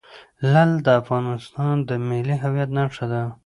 لعل د افغانستان د ملي هویت نښه ده.